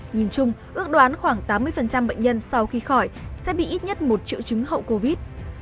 nhìn chung ước đoán khoảng tám mươi bệnh nhân sau khi khỏi sẽ bị ít nhất một triệu chứng hậu covid